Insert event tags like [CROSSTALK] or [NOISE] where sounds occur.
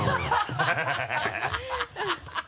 ハハハ [LAUGHS]